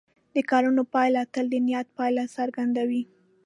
د کړنو پایله تل د نیت پایله څرګندوي.